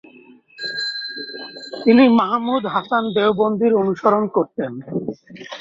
তিনি মাহমুদ হাসান দেওবন্দির অনুসরণ করতেন।